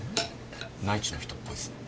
内地の人っぽいっすね。